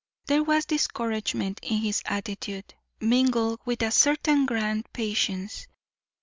There was discouragement in his attitude, mingled with a certain grand patience.